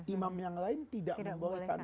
imam yang lain tidak membolehkan